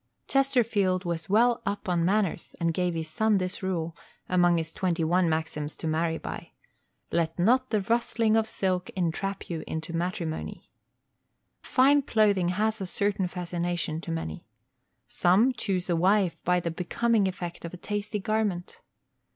_ Chesterfield was well up on manners, and gave his son this rule, among his twenty one maxims to marry by: "Let not the rustling of silk entrap you into matrimony." Fine clothing has a certain fascination to many. Some choose a wife by the becoming effect of a tasty garment.